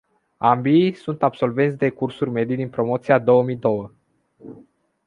Ambii, sunt absolvenți de cursuri medii din promoția două mii nouă.